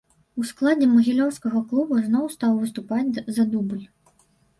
У складзе магілёўскага клуба зноў стаў выступаць за дубль.